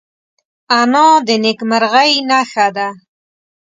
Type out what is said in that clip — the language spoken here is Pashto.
انا د نیکمرغۍ نښه ده